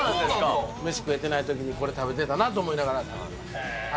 飯食えてないときにこれ食べてたなと思いながら、食べてます。